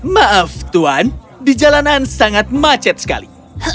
maaf tuan di jalanan sangat macet sekali